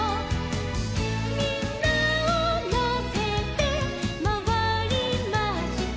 「みんなをのせてまわりました」